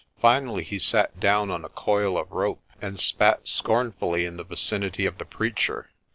Finally he sat down on a coil of rope, and spat scornfully in the vicinity of the preacher.